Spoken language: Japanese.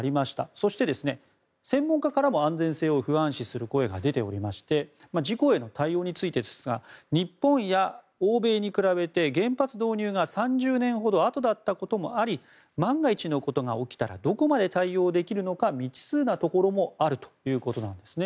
そして、専門家からも安全性を不安視する声が出ていまして事故への対応についてですが日本や欧米に比べて原発導入が３０年ほどあとだったこともあり万が一のことが起きたらどこまで対応できるのか未知数なところもあるということですね。